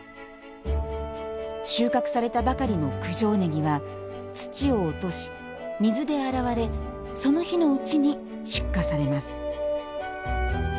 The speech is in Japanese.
収穫されたばかりの九条ねぎは土を落とし、水で洗われその日のうちに出荷されます。